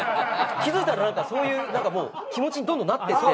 気付いたらそういう気持ちにどんどんなってって。